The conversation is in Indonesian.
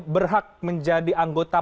berhak menjadi anggota